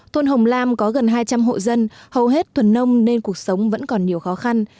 thôn hồng lam có gần hai trăm linh hộ dân hầu hết thuần nông nên cuộc sống vẫn còn nhiều khó khăn